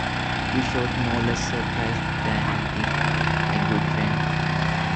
You showed no less surprise than he did, my good friend.